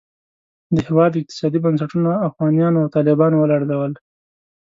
د هېواد اقتصادي بنسټونه اخوانیانو او طالبانو ولړزول.